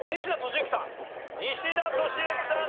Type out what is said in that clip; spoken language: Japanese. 西田敏行さん